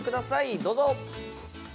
どうぞ！